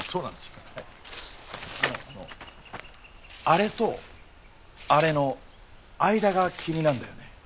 あのあれとあれの間が気になんだよね。